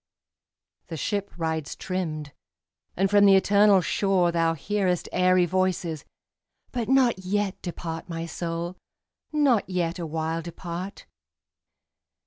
The ship rides trimmed, and from the eternal shore Thou hearest airy voices; but not yet Depart, my soul, not yet awhile depart.